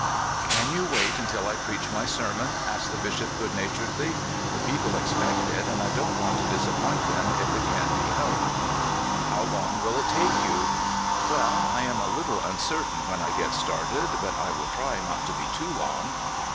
"Can 3^ou wait until T preach my sermon?" asked the Bishop good naturedly. " The people 270 CALIFORNIA SKETCHES. expect it, and I don't want to disappoint them if it can be helped." " How long will it take you? "Well, I am a little uncertain when I get start ed, but I will try not to be too long."